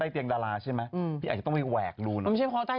พี่อาจจะต้องไปแหวกดูหน่อย